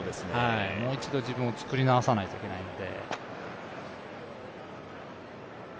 もう一度自分を作り直さないといけないので。